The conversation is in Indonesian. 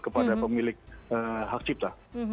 kepada pemilik hak cipta